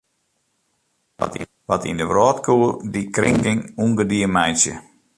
Wat yn de wrâld koe dy krinking ûngedien meitsje?